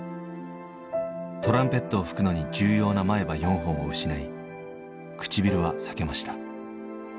トランペットを吹くのに重要な前歯４本を失い唇は裂けました。